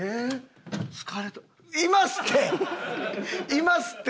いますって！